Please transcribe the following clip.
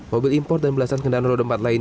mobil import dan belasan kendaraan roda empat lain